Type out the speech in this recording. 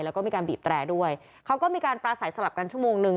แล้วก็มีการบีบแตรด้วยเขาก็มีการปลาใสสลับกันชั่วโมงนึง